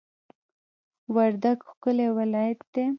وردګ ښکلی ولایت دی